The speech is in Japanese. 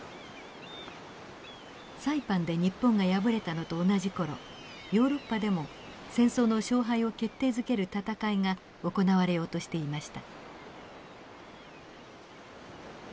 サイパンで日本が敗れたのと同じ頃ヨーロッパでも戦争の勝敗を決定づける戦いが行われようとしていました。